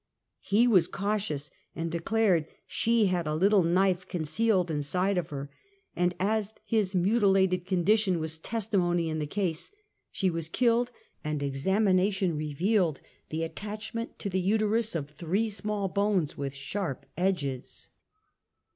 He was cautious, and de clared she had a little knife concealed inside of her, and as his mutilated condition was testimony in the case, she was killed and examination revealed the attachment to the uterus of three small bones with sharp edges.